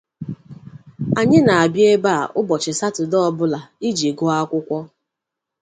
anyị na-abịa ebe a ụbọchị Satọde ọbụla iji gụọ akwụkwọ